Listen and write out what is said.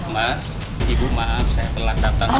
mas ibu maaf saya telah datang